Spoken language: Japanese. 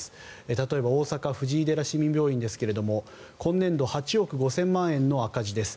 例えば大阪・藤井寺市民病院ですが今年度８億５０００万円の赤字です。